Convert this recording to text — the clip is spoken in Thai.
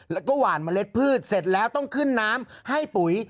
แล้วก็หวานเมล็ดพืชเสร็จแล้วต้องขึ้นน้ำให้ปุ๋ย